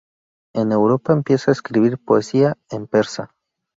En Europa empieza a escribir poesía en persa.